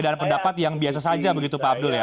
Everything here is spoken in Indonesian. pendapat yang biasa saja begitu pak abdul ya